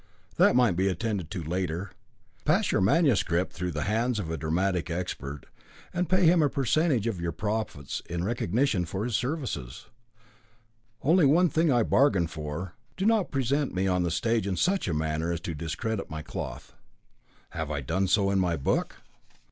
"That might be attended to later. Pass your MS. through the hands of a dramatic expert, and pay him a percentage of your profits in recognition of his services. Only one thing I bargain for, do not present me on the stage in such a manner as to discredit my cloth." "Have I done so in my book?"